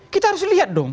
kita harus lihat dong